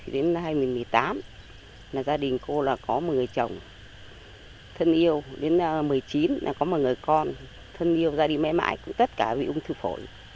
đến hai nghìn một mươi tám gia đình cô có một người chồng thân yêu đến hai nghìn một mươi chín có một người con thân yêu ra đi mãi mãi cũng tất cả bị ung thư phổi